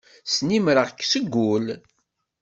Snemmireɣ-k seg wul.